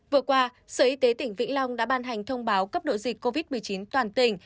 vừa qua sở y tế tỉnh vĩnh long đã ban hành thông báo cấp độ dịch covid một mươi chín toàn tỉnh